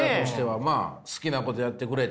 まあ好きなことやってくれて。